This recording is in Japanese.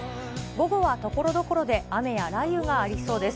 午後はところどころで雨や雷雨がありそうです。